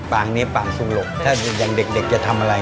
ปางนี้ปางสุรกถ้าอย่างเด็กจะทำอะไร